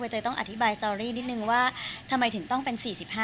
เตยต้องอธิบายสตอรี่นิดนึงว่าทำไมถึงต้องเป็น๔๕